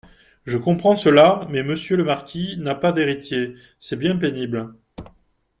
Je comprends cela ; mais monsieur le marquis n'a pas d'héritier, c'est bien pénible.